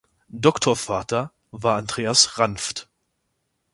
Doktorvater war Andreas Ranft.